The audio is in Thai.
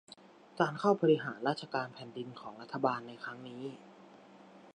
การเข้าบริหารราชการแผ่นดินของรัฐบาลในครั้งนี้